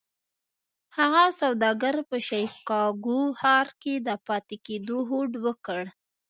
هغه سوداګر په شيکاګو ښار کې د پاتې کېدو هوډ وکړ.